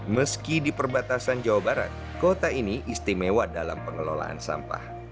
meski di perbatasan jawa barat kota ini istimewa dalam pengelolaan sampah